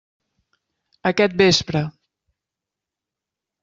Aquest vespre.